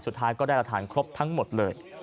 สุดท้ายก็ได้หลักฐานครบทั้งหมดเลย